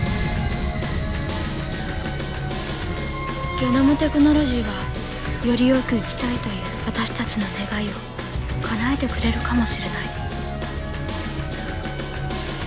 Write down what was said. ゲノムテクノロジーはよりよく生きたいという私たちの願いをかなえてくれるかもしれない。